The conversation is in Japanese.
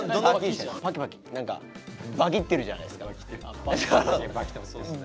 何かバキってるじゃないですか。